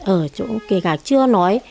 ở chỗ kể cả chưa nói